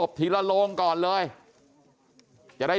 พ่อขออนุญาต